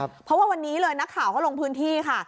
เพราะว่าวันนี้เลยนักข่าวเขาลงพื้นที่ค่ะ